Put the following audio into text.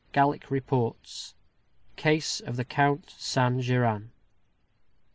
_Gallick Reports: Case of the Count Saint Geran.